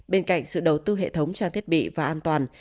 bên cạnh sự đầu tư hệ thống trang thiết bị và an toàn